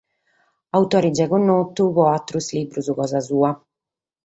Autore giai connotu pro àteros libros cosa sua.